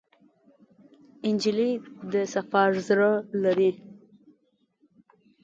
نجلۍ د صفا زړه لري.